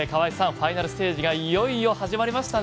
ファイナルステージがいよいよ始まりましたね。